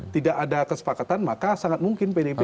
tidak ada kesepakatan maka sangat mungkin pdip akan mengusung